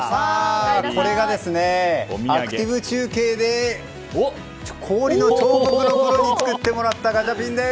これがアクティブ中継で氷の彫刻のプロに作っていただいたガチャピンです。